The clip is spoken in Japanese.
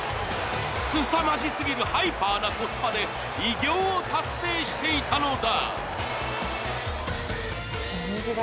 すさまじすぎるハイパーなコスパで偉業を達成していたのだ。